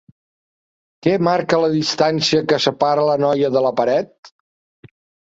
Què marca la distancia que separa la noia de la paret?